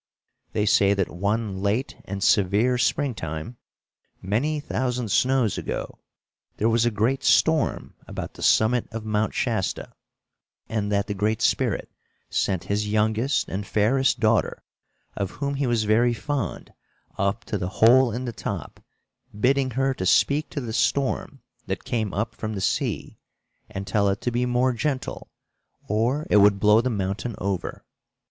They say that one late and severe springtime, many thousand snows ago, there was a great storm about the summit of Mount Shasta, and that the Great Spirit sent his youngest and fairest daughter, of whom he was very fond, up to the hole in the top, bidding her to speak to the storm that came up from the sea, and tell it to be more gentle or it would blow the mountain over.